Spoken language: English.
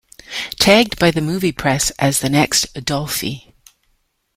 Tagged by the movie press as the "Next Dolphy.